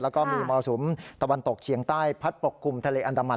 แล้วก็มีมรสุมตะวันตกเฉียงใต้พัดปกคลุมทะเลอันดามัน